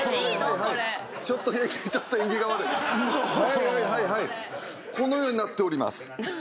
はいはいはいはいこのようになっております。